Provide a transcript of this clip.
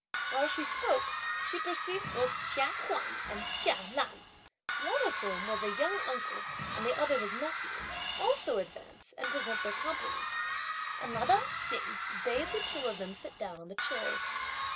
While she spoke, she perceived both Chia Huan and Chia Lan, one of whom was a young uncle and the other his nephew, also advance and present their compliments, and madame Hsing bade the two of them sit down on the chairs.